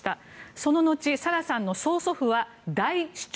その後サラさんの曽祖父は大首長。